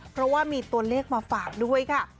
เพราะว่ามีตัวเลขมาฝากด้วยค่ะ